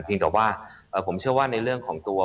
แต่ว่าผมเชื่อว่าในเรื่องของตัว